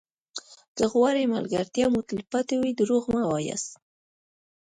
که غواړئ ملګرتیا مو تلپاتې وي دروغ مه وایاست.